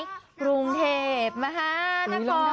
กรุงเทพมหานคร